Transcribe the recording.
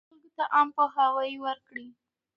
خلکو ته عامه پوهاوی ورکړئ.